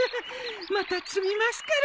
また摘みますから。